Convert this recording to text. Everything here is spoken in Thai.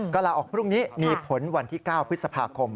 ก็ลาออกพรุ่งนี้มีผลวันที่๙พฤษภาคม